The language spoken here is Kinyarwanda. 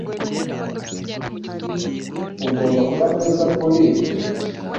ugomba kuba mwiza kuri ibyo